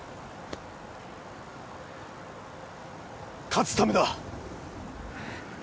勝つためだ。